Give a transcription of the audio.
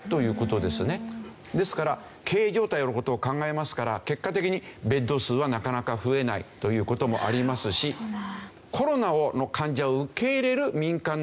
ですから経営状態の事を考えますから結果的にベッド数はなかなか増えないという事もありますし。という事になります。